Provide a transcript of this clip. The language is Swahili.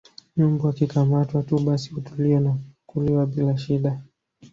nyumbu akikamatwa tu basi hutulia na kuliwa bila shida